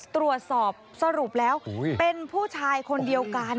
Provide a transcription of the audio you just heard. ตรวจสอบสรุปแล้วเป็นผู้ชายคนเดียวกัน